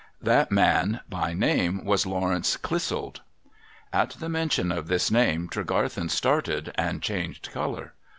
That man by name was Lawrence Clissold.' At the mention of this name Tregarthen started and changed colour.